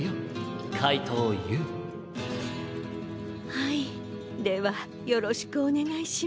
はいではよろしくおねがいします。